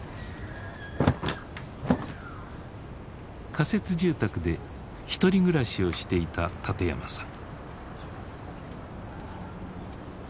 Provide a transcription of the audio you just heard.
仮設住宅で１人暮らしをしていた館山さん。